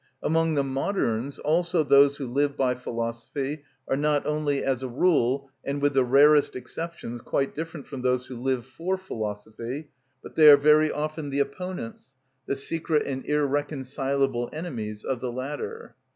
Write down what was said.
Among the moderns also those who live by philosophy are not only, as a rule, and with the rarest exceptions, quite different from those who live for philosophy, but they are very often the opponents, the secret and irreconcilable enemies of the latter.